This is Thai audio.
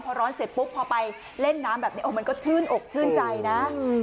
พอร้อนเสร็จปุ๊บพอไปเล่นน้ำแบบนี้มันก็ชื่นอกชื่นใจนะ